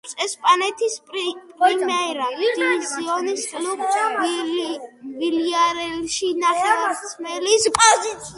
თამაშობს ესპანეთის პრიმერა დივიზიონის კლუბ „ვილიარეალში“, ნახევარმცველის პოზიციაზე.